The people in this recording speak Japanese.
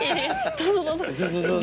どうぞどうぞって。